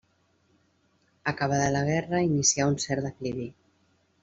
Acabada la Guerra inicià un cert declivi.